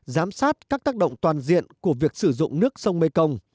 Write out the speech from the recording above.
giám sát các tác động toàn diện của việc sử dụng nước sông mekong